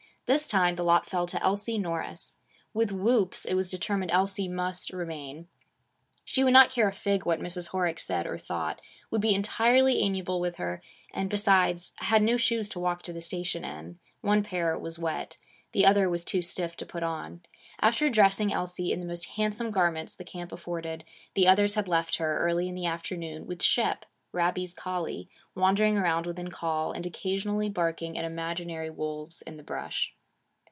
This time the lot fell to Elsie Norris. With whoops, it was determined Elsie must remain. She would not care a fig what Mrs. Horick said or thought, would be entirely amiable with her, and, besides, had no shoes to walk to the station in. One pair was wet. The other was too stiff to put on. After dressing Elsie in the most handsome garments the camp afforded, the others had left her, early in the afternoon, with Shep, Rabbie's collie, wandering around within call, and occasionally barking at imaginary wolves in the brush.